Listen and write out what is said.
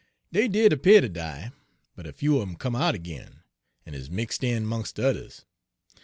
"Dey did 'pear ter die, but a few un 'em come out ag'in, en is mixed in 'mongs' de yuthers.